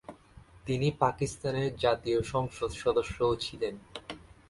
তিনি পাকিস্তানের জাতীয় সংসদ সদস্যও ছিলেন।